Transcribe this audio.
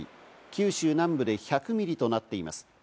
九州南部で１００ミリとなっています。